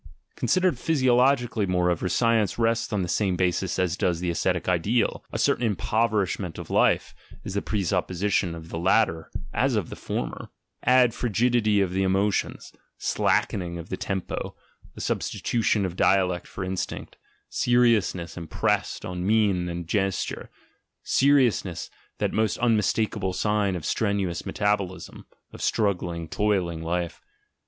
Considered physiologically, moreover, science rests on the same basis as does the ascetic ideal : a certain impoverishment 0} life is the presupposition of the latter as of the former— add, frigidity of the emotions, slacken 1 68 THE GENEALOGY OF MORALS ing of the tempo, the substitution of dialectic for instinct, usncss impressed on mien and gesture (seriousness, that most unmistakable sign of strenuous metabolism, of Struggling, toiling life).